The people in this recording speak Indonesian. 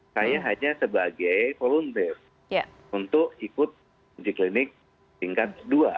saya hanya sebagai volunteer untuk ikut uji klinik tingkat dua